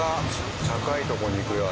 高いとこに行くよあれ。